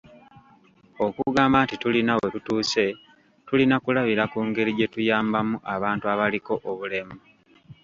Okugamba nti tulina we tutuuse, tulina kulabira ku ngeri gye tuyambamu abantu abaliko obulemu.